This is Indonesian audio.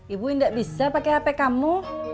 ibu tidak bisa pakai hp kamu